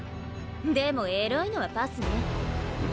でもエロいのはパスね。